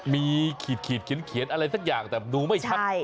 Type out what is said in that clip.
มีขีดเขียนอะไรสักอย่างแต่ดูไม่ชัด